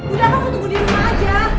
udah nunggu tunggu di rumah aja